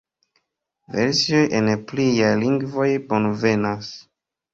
Versioj en pliaj lingvoj bonvenas.